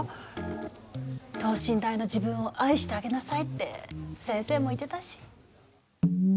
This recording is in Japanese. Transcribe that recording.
等身大の自分を愛してあげなさいって先生も言ってたし。